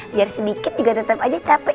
biar sedikit juga tetap aja capek